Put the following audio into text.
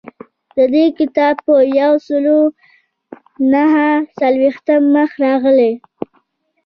د دې کتاب په یو سل نهه څلویښتم مخ راغلی.